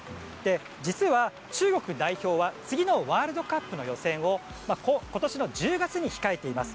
実は、中国代表は次のワールドカップの予選を今年の１０月に控えています。